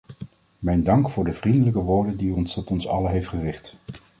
Mijn dank voor de vriendelijke woorden die u tot ons allen heeft gericht.